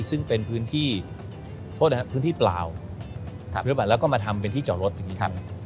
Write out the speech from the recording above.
ซึ่งเป็นพื้นที่โทษนะครับพื้นที่เปล่าหรือเปล่าแล้วก็มาทำเป็นที่จอดรถ